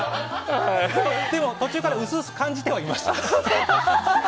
でも、途中から薄々感じてはいました。